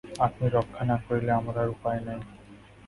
আপনি রক্ষা না করিলে আমার আর উপায় নাই!